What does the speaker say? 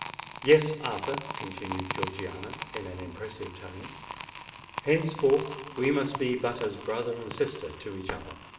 "Yes—Arthur," continued Georgiana, in an impressive tone, "henceforth we must be but as brother and sister to each other.